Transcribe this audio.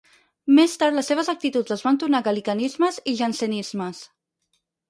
Més tard les seves actituds es van tornar gal·licanimes i jansenismes.